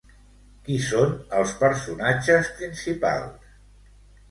Qui són els personatges principals?